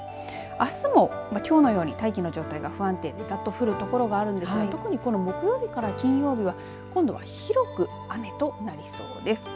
あすもきょうのように大気の状態が不安定でざっと降るところがあるんですが特に木曜日から金曜日は今度は広く雨となりそうです。